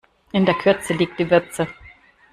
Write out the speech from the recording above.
In der Kürze liegt die Würze.